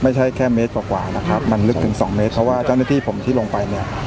แค่เมตรกว่านะครับมันลึกถึงสองเมตรเพราะว่าเจ้าหน้าที่ผมที่ลงไปเนี่ย